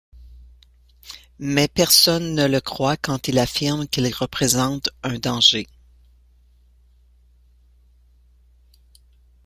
Mais personne ne le croit quand il affirme qu'ils représentent un danger.